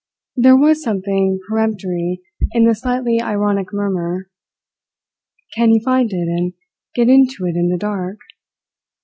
There was something peremptory in the slightly ironic murmur. "Can you find it and get into it in the dark?"